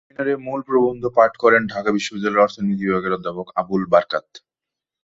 সেমিনারে মূল প্রবন্ধ পাঠ করেন ঢাকা বিশ্ববিদ্যালয়ের অর্থনীতি বিভাগের অধ্যাপক আবুল বারকাত।